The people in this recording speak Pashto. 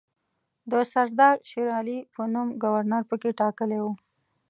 د سردار شېرعلي په نوم ګورنر پکې ټاکلی وو.